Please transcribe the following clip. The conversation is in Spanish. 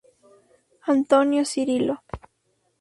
Antônio Cirilo.